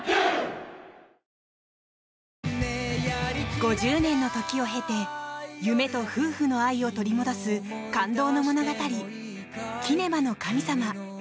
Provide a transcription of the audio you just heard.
５０年の時を経て夢と夫婦の愛を取り戻す感動の物語「キネマの神様」。